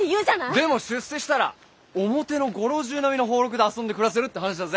でも出世したら表のご老中並みの俸禄で遊んで暮らせるって話だぜ。